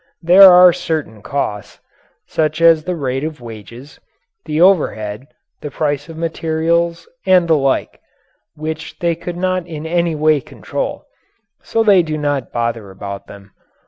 There are certain costs such as the rate of wages, the overhead, the price of materials, and the like, which they could not in any way control, so they do not bother about them.